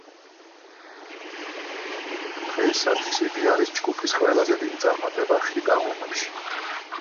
დღეისათვის იგი არის ჯგუფის ყველაზე დიდი წარმატება ჰიტ-აღლუმებში.